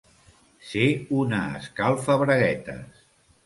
Ser una escalfabraguetes.